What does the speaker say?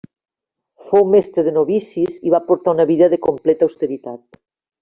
Fou mestre de novicis i va portar una vida de completa austeritat.